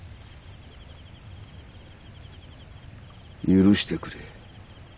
許してくれ。